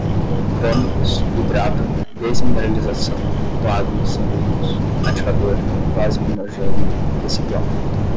crônicos, hidratam, desmineralização, coágulos sanguíneos, ativador, plasminogênio tecidual